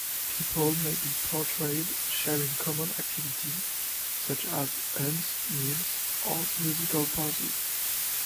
People may be portrayed sharing common activities such as hunts, meals, or musical parties.